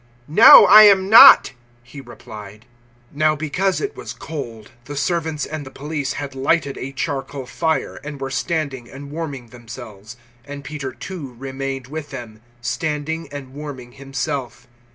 "No, I am not," he replied. 018:018 Now because it was cold the servants and the police had lighted a charcoal fire, and were standing and warming themselves; and Peter too remained with them, standing and warming himself.